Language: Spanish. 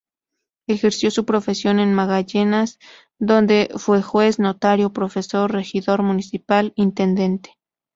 Ejerció su profesión en Magallanes, donde fue juez, notario, profesor, regidor municipal, intendente.